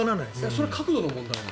それは角度の問題なの？